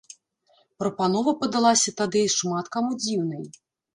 Прапанова падалася тады шмат каму дзіўнай.